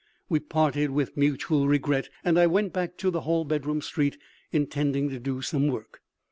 We parted with mutual regret, and I went back to the Hallbedroom street, intending to do some work.